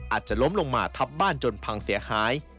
อาจจะล้มลงมาทับบ้านจนพังเสียหาย